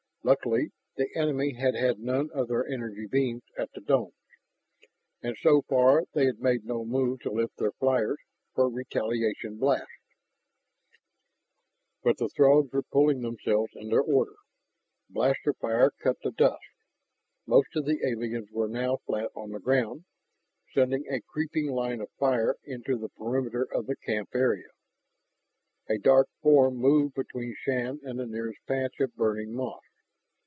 Luckily the enemy had had none of their energy beams at the domes. And so far they had made no move to lift their flyers for retaliation blasts. But the Throgs were pulling themselves into order. Blaster fire cut the dusk. Most of the aliens were now flat on the ground, sending a creeping line of fire into the perimeter of the camp area. A dark form moved between Shann and the nearest patch of burning moss.